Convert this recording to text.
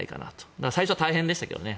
だから最初は大変でしたけどね。